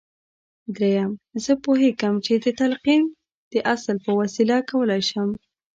درېيم زه پوهېږم چې د تلقين د اصل په وسيله کولای شم.